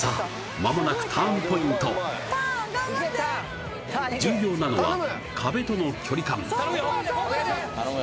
間もなくターンポイントターン頑張って重要なのは壁との距離感そう